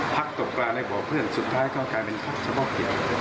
พักตกปลาในบ่อเพื่อนสุดท้ายก็กลายเป็นพักเฉพาะเกี่ยว